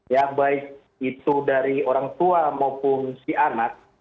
ya baik itu dari orang tua maupun si anak